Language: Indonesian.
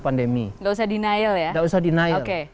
pandemi gak usah denial ya gak usah denial